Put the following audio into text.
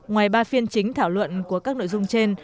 ngoài ba phiên chính thảo luận của các nội dung trên